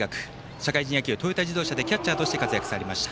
社会人野球トヨタ自動車でキャッチャーとして活躍されました